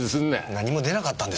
何も出なかったんですよ。